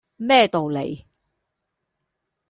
咩道理